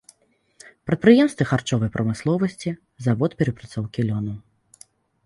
Прадпрыемствы харчовай прамысловасці, завод перапрацоўкі лёну.